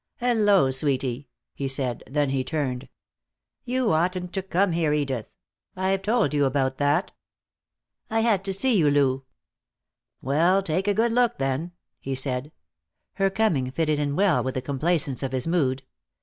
"Hello, sweetie," he said. Then he turned. "You oughtn't to come here, Edith. I've told you about that." "I had to see you, Lou." "Well, take a good look, then," he said. Her coming fitted in well with the complacence of his mood.